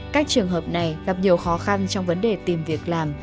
các trường hợp này gặp nhiều khó khăn trong vấn đề tìm việc làm